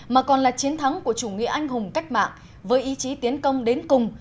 mà còn là chiến thắng của chủ nghĩa anh hùng cách mạng với ý chí tiến công đến cùng